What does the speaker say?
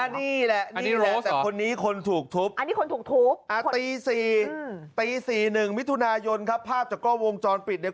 นี่เห็นอยู่หน้าห้องนี่มีโรสพลอยแล้วก็แฟนพลอยเนอะ